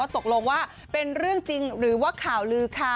ตกลงว่าเป็นเรื่องจริงหรือว่าข่าวลือค่ะ